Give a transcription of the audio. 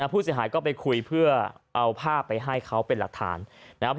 ผู้เสียหายก็ไปคุยเพื่อเอาภาพไปให้เขาเป็นหลักฐานนะครับ